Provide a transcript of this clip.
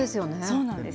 そうなんです。